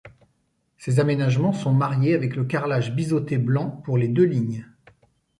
Ces aménagements sont mariés avec le carrelage biseauté blanc pour les deux lignes.